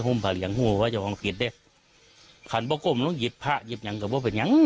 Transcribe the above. หุ้มผ่านเหลืองหูว่าจะฟังผิดดิคันปะก้มต้องหยิบผ้าหยิบอย่างกับว่าเป็นยัง